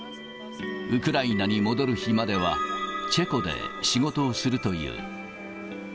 ウクライナに戻る日までは、チェコで仕事をするという。